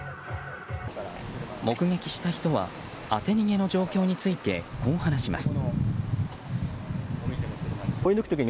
目撃した人は、当て逃げの状況についてこう話します。